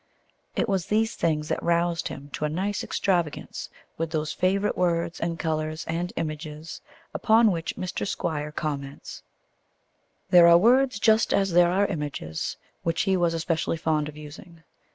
It was these things that roused him to a nice extravagance with those favourite words and colours and images upon which Mr. Squire comments: There are words, just as there are images, which he was especially fond of using.